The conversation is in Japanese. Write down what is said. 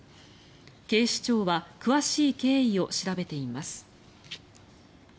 警視庁は詳しい経緯を調べています。